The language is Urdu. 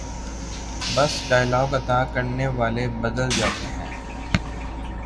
بس ڈائیلاگ ادا کرنے والے بدل جاتے ہیں۔